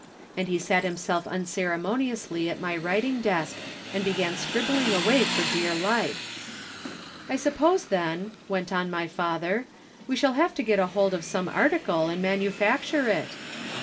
And he sat himself unceremoniously at my writing desk and began scribbling away for dear life. "'"I suppose then," went on my father, "we shall have to get hold of some article and manufacture it."